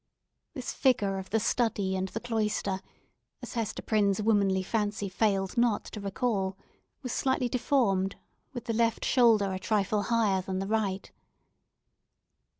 This figure of the study and the cloister, as Hester Prynne's womanly fancy failed not to recall, was slightly deformed, with the left shoulder a trifle higher than the right.